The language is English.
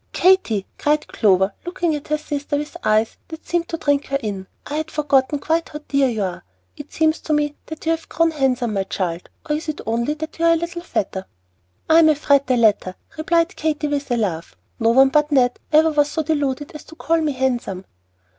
"Katy," cried Clover, looking at her sister with eyes that seemed to drink her in, "I had forgotten quite how dear you are! It seems to me that you have grown handsome, my child; or is it only that you are a little fatter?" "I am afraid the latter," replied Katy, with a laugh. "No one but Ned was ever so deluded as to call me handsome."